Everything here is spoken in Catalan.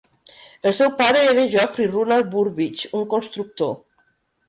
El seu pare era Geoffrey Ronald Burbidge, un constructor.